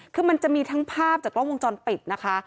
คือมันจะมีทั้งภาพจากกล้องวงจรปิดนะคะ